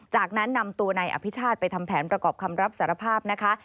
จากนั้นนำตัวนายอภิชาติไปทำแผนประกอบคำรับสารภาพนะคะ